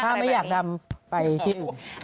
ถ้าไม่อยากดำไปที่อื่น